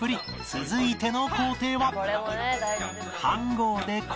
続いての工程は